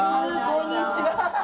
こんにちは。